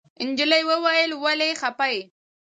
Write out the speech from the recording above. نجلۍ وويل ولې خپه يې.